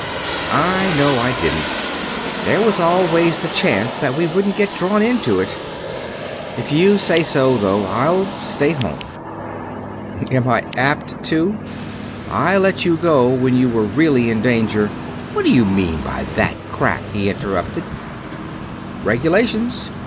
"I know I didn't. There was always the chance that we wouldn't get drawn into it. If you say so, though, I'll stay home." "Am I apt to? I let you go when you were really in danger...." "What do you mean by that crack?" he interrupted. "Regulations.